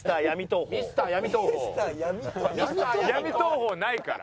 闇投法ないから。